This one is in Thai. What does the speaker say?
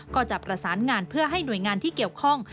ก็จะประสานงานเพื่อให้หน่วยงานที่เกี่ยวข้อง